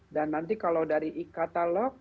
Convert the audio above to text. dan nanti kalau dari e katalog